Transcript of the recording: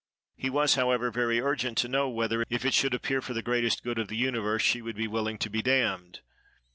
He was, however, very urgent to know whether, if it should appear for the greatest good of the universe, she would be willing to be damned.